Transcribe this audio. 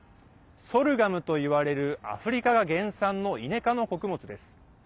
ソルガムといわれるアフリカが原産のイネ科の穀物です。